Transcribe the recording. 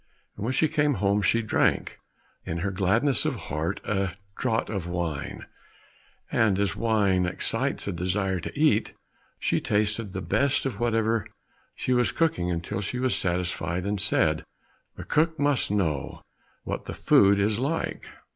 And when she came home she drank, in her gladness of heart, a draught of wine, and as wine excites a desire to eat, she tasted the best of whatever she was cooking until she was satisfied, and said, "The cook must know what the food is like."